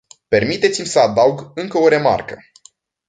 Permiteți-mi să adaug încă o remarcă.